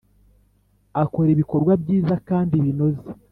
Akora ibikorwa byiza kandi binoze